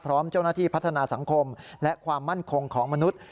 พร้อมเจ้าหน้าที่พัฒนาสังคมและความมั่นคงของมนุษย์